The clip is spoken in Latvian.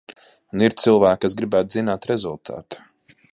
Un ir cilvēki, kas gribētu zināt rezultātu.